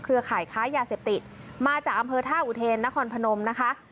ข่ายค้ายาเสพติดมาจากอำเภอท่าอุเทนนครพนมนะคะ